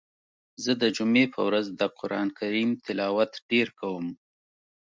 زه د جمعی په ورځ د قرآن کریم تلاوت ډیر کوم.